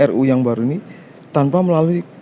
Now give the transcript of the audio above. ru yang baru ini tanpa melalui